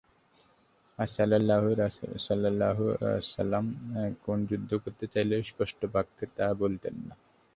আর রাসূলুল্লাহ সাল্লাল্লাহু আলাইহি ওয়াসাল্লাম কোন যুদ্ধ করতে চাইলে স্পষ্ট ভাবে তা বলতেন না।